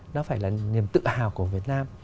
nó phải là niềm tự hào của việt nam